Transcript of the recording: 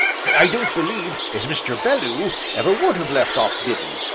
I don't believe as Mr. Belloo ever would have left off biddin'.